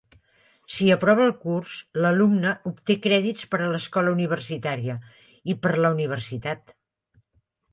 Si aprova el curs, l'alumne obté crèdits per a l'escola universitària i per a la universitat.